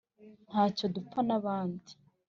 ntacyo dupfa n'abandi